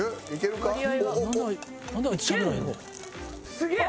すげえ！